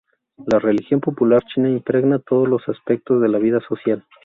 La religión popular china impregna todos los aspectos de la vida social.